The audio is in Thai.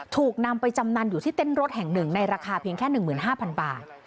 ถูกนำไปจำนันอยู่ที่เต้นรถแห่งหนึ่งในราคาเพียงแค่๑๕๐๐๐บาท